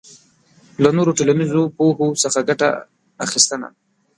له نورو ټولنیزو پوهو څخه ګټه اخبستنه